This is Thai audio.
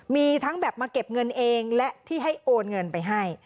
มีทั้งแบบมาเก็บเงินเองและที่ให้โอนเงินไปให้